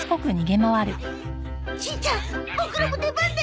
しんちゃんボクらも出番だよ！